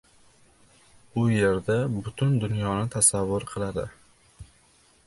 u yerda butun dunyoni tasavvur qiladi.